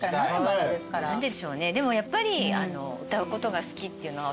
何でしょうねでもやっぱり。